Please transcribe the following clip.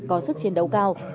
có sức chiến đấu cao